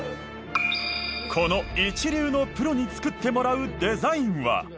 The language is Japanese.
この一流のプロに作ってもらうデザインは。